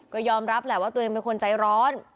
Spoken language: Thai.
ก็ยอมรับแหละว่าตัวเองเป็นคนใจร้อน